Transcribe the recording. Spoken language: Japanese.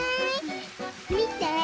みて。